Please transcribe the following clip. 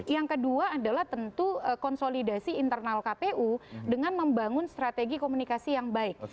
yang kedua adalah tentu konsolidasi internal kpu dengan membangun strategi komunikasi yang baik